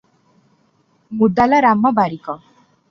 ମୁଦାଲା Ram Barik.